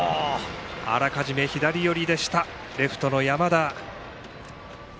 あらかじめ左寄りでしたレフトの山田。